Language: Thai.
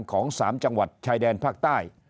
ของ๓จังหวัดชายแดนภาคใต้